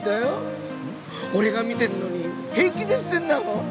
俺が見てるのに平気で捨てんだもん。